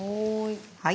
はい。